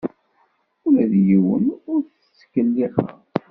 Ula d yiwen ur t-ttkellixeɣ.